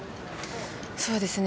そうですね。